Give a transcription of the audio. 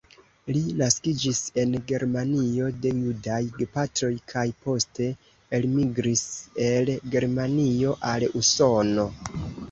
Li naskiĝis en Germanio de judaj gepatroj kaj poste elmigris el Germanio al Usono.